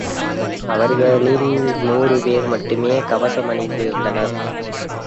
அவர்களில் நூறு பேர் மட்டுமே கவசம் அணிந்திருந்தனர்.